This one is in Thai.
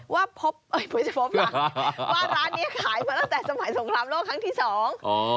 ว่าพบเอ่ยพบล่ะว่าร้านเนี้ยขายมาตั้งแต่สมัยสงครามโลกครั้งที่สอง